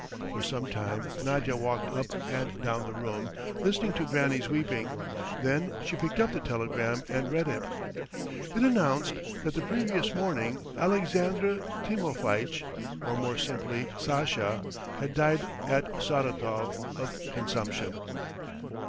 For some time Nadya walked up and down the room, listening to Granny's weeping; then she picked up the telegram and read it. It announced that the previous morning Alexandr Timofeitch, or more simply, Sasha, had died at Saratov of consumption.